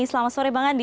selamat sore bang andi